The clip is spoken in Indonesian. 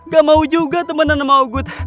gak mau juga temenan sama ogut